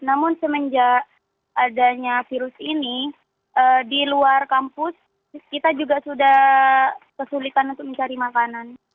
namun semenjak adanya virus ini di luar kampus kita juga sudah kesulitan untuk mencari makanan